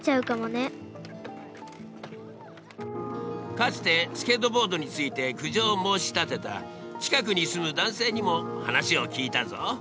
かつてスケートボードについて苦情を申し立てた近くに住む男性にも話を聞いたぞ。